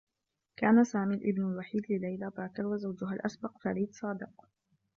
كان سامي الإبن الوحيد لليلى باكر و زوجها الأسبق فريد صادق.